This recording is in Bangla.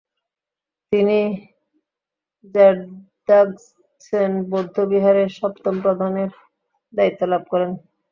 তিনি র্দ্জোগ্স-ছেন বৌদ্ধবিহারের সপ্তম প্রধানের দায়িত্ব লাভ করেন।